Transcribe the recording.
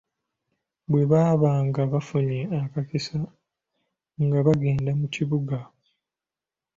Bwe baabanga bafunye akakisa nga bagenda mu kibuga.